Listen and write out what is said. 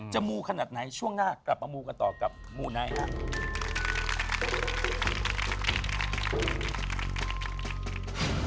มูขนาดไหนช่วงหน้ากลับมามูกันต่อกับมูไนท์ครับ